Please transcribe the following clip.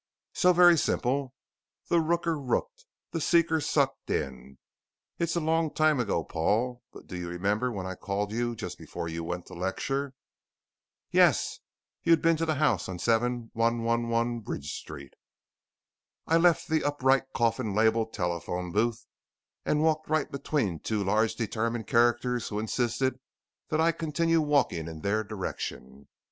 "So very simple. The rooker rooked, the seeker sucked in. It's a long time ago, Paul but do you remember when I called you just before you went to lecture?" "Yes. You'd been to the house on 7111 Bridge Street." "I left the upright coffin labelled 'Telephone Booth' and walked right between two large determined characters who insisted that I continue walking in their direction.